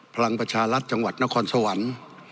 พลังประชารัฐจังหวัดนครสวรรค์